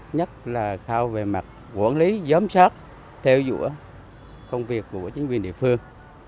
nhất là khao về mặt quản lý giám sát theo dũa công việc của chính quyền địa phương